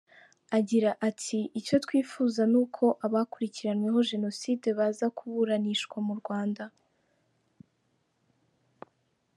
Agira ati : "Icyo twifuza ni uko abakurikiranweho jenoside bose baza kuburanishirizwa mu Rwanda.